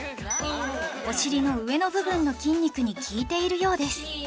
お尻の上の部分の筋肉に効いているようです